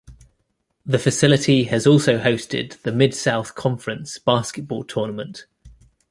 The facility has also hosted the Mid-South Conference basketball tournament.